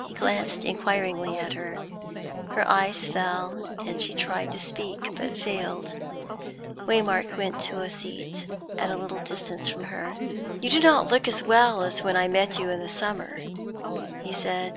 He glanced inquiringly at her. Her eyes fell, and she tried to speak, but failed. Waymark went to a seat at a little distance from her. "You do not look as well as when I met you in the summer," he said.